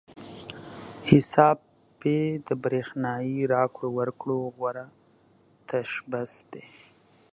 حساب پې د برېښنايي راکړو ورکړو غوره تشبث دی.